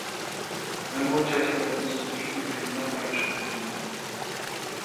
مەن بۇ چاچلىرىمنى سىز ئۈچۈن مۇشۇنداق پەرۋىش قىلغانمەن.